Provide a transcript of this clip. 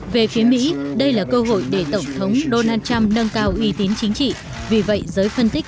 về phía mỹ đây là cơ hội để tổng thống donald trump nâng cao uy tín chính trị vì vậy giới phân tích